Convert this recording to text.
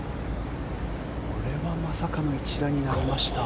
これはまさかの１打になりました。